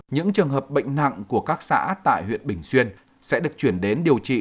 những trường hợp bệnh nặng của các xã tại huyện bình xuyên sẽ được chuyển đến điều trị